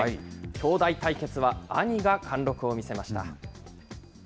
兄弟対決は兄が貫録を見せました。